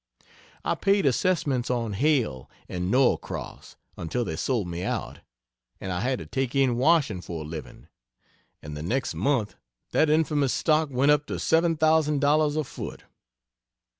I paid assessments on "Hale and Norcross" until they sold me out, and I had to take in washing for a living and the next month that infamous stock went up to $7,000 a foot.